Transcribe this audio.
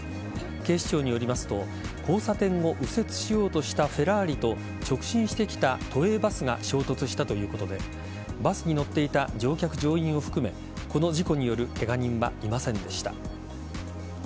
警視庁によりますと交差点を右折しようとしたフェラーリと直進してきた都営バスが衝突したということでバスに乗っていた乗客乗員を含めこの事故によるケガ人はいませんでした。